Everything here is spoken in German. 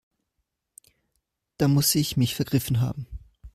Da muss ich mich vergriffen haben.